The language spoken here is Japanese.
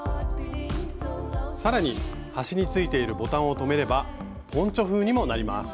さらに端についているボタンを留めればポンチョ風にもなります。